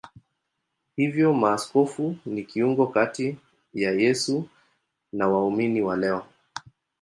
Hivyo maaskofu ni kiungo kati ya Yesu na waumini wa leo.